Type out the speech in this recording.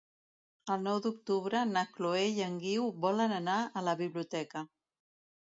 El nou d'octubre na Chloé i en Guiu volen anar a la biblioteca.